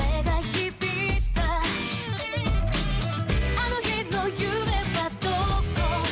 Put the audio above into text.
「あの日の夢はどこ」